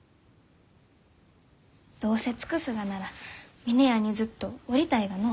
どうせ尽くすがなら峰屋にずっとおりたいがのう。